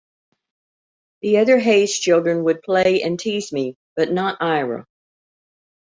The other Hayes children would play and tease me, but not Ira.